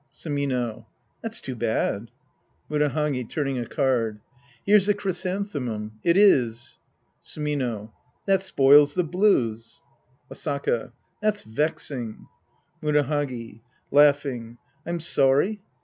Sumino. That's too bad. Murahagi {turning a card). Here's the chrysan themum. It is. Sumino. That spoils the blues. Asaka. That's vexing. Murahagi {laughing). I'm sorry.